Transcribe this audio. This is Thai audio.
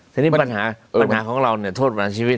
ทีนี้ปัญหาของเราเนี่ยโทษประหารชีวิต